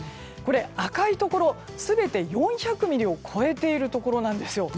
赤いところ、全て４００ミリを超えているところなんです。